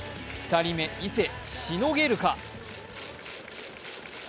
２人目、伊勢、しのげるか。